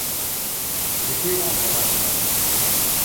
Děkuji vám za váš návrh.